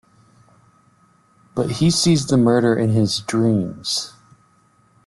But he sees the murder in his dreams.